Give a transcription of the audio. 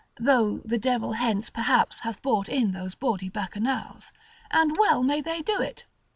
(though the devil hence perhaps hath brought in those bawdy bacchanals), and well may they do it.